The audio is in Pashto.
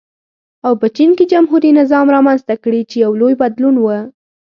او په چین کې جمهوري نظام رامنځته کړي چې یو لوی بدلون و.